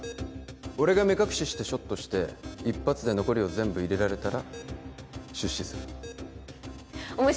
俺が目隠ししてショットして一発で全部残りを入れられたら。